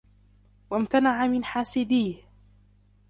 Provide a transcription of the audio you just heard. وَامْتَنَعَ مِنْ حَاسِدِيهِ